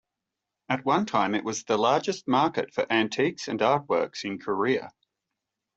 At one time it was the largest market for antiques and artworks in Korea.